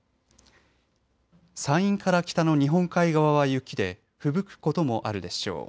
山陰から北の日本海側は雪でふぶくこともあるでしょう。